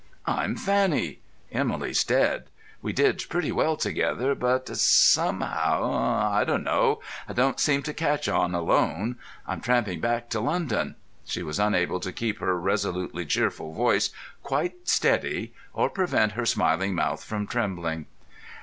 "I'm Fanny. Emily's dead. We did pretty well together, but somehow—I dunno, I don't seem to catch on alone. I'm tramping back to London." She was unable to keep her resolutely cheerful voice quite steady, or prevent her smiling mouth from trembling.